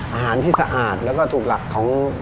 อาหารที่สะอาดแล้วก็ถูกหลักของ